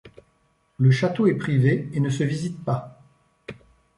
Le château est privé et ne se visite pas.